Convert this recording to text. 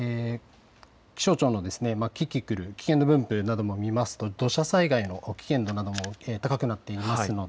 気象庁のキキクル危険度分布なども見ますと土砂災害の危険度も高くなっています。